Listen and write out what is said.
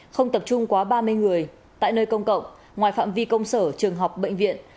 không tập trung quá ba mươi người tại nơi công cộng ngoài phạm vi công sở trường học bệnh viện